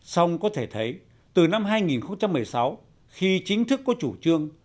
xong có thể thấy từ năm hai nghìn một mươi sáu khi chính thức có chủ trương